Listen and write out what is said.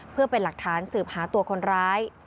เพื่อเป็นหลักฐานสืบหาตัวคนร้าย